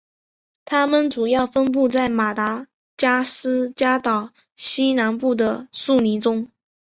它们主要分布在马达加斯加岛西南部的树林中。